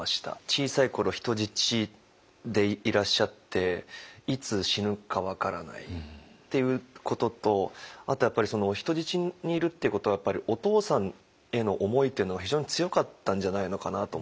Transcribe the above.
小さい頃人質でいらっしゃっていつ死ぬか分からないっていうこととあとやっぱり人質にいるっていうことはお父さんへの思いっていうのが非常に強かったんじゃないのかなと思っていて。